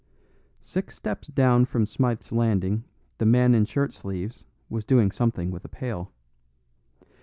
Six steps down from Smythe's landing the man in shirt sleeves was doing something with a pail.